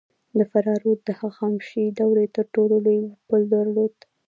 د فراه رود د هخامنشي دورې تر ټولو لوی پل درلود